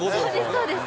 そうです